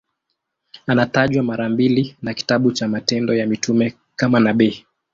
Anatajwa mara mbili na kitabu cha Matendo ya Mitume kama nabii.